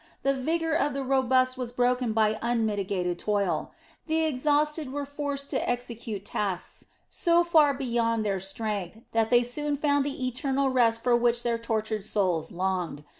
The vigor of the robust was broken by unmitigated toil; the exhausted were forced to execute tasks so far beyond their strength that they soon found the eternal rest for which their tortured souls longed.